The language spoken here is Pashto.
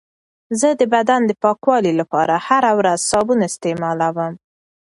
زه د بدن د پاکوالي لپاره هره ورځ صابون استعمالوم.